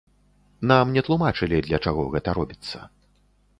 Нам не тлумачылі, для чаго гэта робіцца.